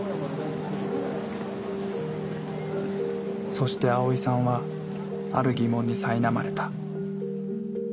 そしてアオイさんはある疑問にさいなまれた。